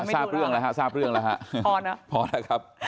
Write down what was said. ไม่พอแล้วค่ะทราบเรื่องแล้วค่ะพอแล้วครับ